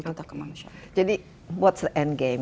jadi apa yang terakhir